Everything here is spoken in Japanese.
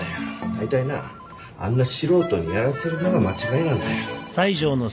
だいたいなあんな素人にやらせるのが間違いなんだよ。